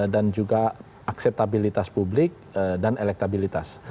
dan juga akseptabilitas publik dan elektabilitas